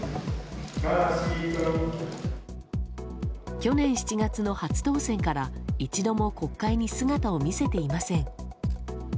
去年７月の初当選から一度も国会に姿を見せていません。